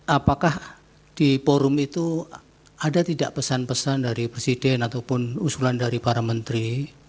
apakah di forum itu ada tidak pesan pesan dari presiden ataupun usulan dari para menteri